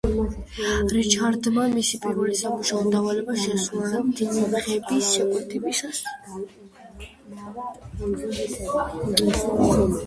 რიჩარდმა, მისი პირველი სამუშაო დავალება შეასრულა რადიომიმღების შეკეთებისას.